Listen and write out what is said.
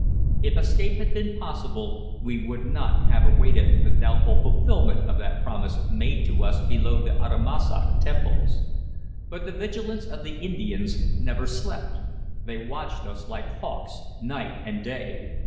If escape had been possible, we would not have awaited the doubtful fulfillment of that promise made to us below the Uttamussac temples. But the vigilance of the Indians never slept; they watched us like hawks, night and day.